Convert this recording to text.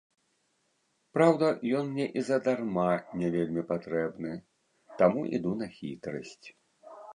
Праўда, ён мне і задарма не вельмі патрэбны, таму іду на хітрасць.